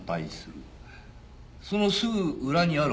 そのすぐ裏にあるホテル。